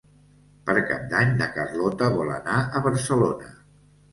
Per Cap d'Any na Carlota vol anar a Barcelona.